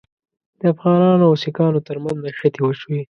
د افغانانو او سیکهانو ترمنځ نښتې وشوې.